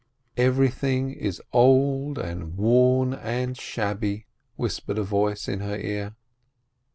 "Everything is old and worn and shabby," whispered a voice in her ear.